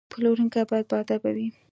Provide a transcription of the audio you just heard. پلورونکی باید باادبه وي.